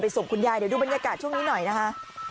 ไปส่งคุณยายดูบรรยากาศช่วงนี้หน่อยนะฮะ